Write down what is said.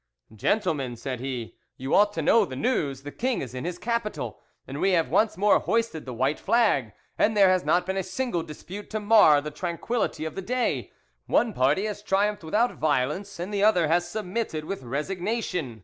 "'Gentlemen,' said he, 'you ought to know the news: the king is in his capital, and we have once more hoisted the white flag, and there has not been a single dispute to mar the tranquillity of the day; one party has triumphed without violence, and the other has submitted with resignation.